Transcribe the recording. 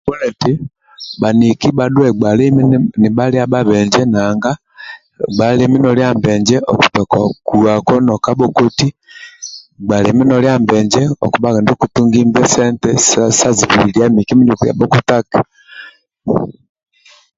Bhaniki bhaduwe gba limi nibhalia bhabenje nanga gba limi mbenje okutoka ukwako nokaya bhokoti gba limi nolia mbenje okubhaga ndio okotungibe sente sa zibililia miki mindio oli kaya bhokotaki